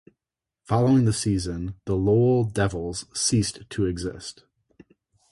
Following the season, the Lowell Devils ceased to exist.